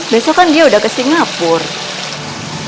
besok kan dia udah ke singapura